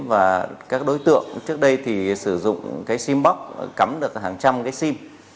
và các đối tượng trước đây thì sử dụng cái sim box cắm được hàng trăm cái sim